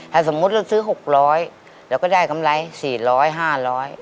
ถ้าสมมุติเราซื้อ๖๐๐เราก็ได้กำไร๔๐๐๕๐๐บาท